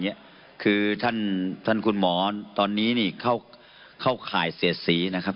เงี้ยคือท่านท่านคุณหมอตอนนี้นี่เข้าเข้าข่ายเสียสีนะครับ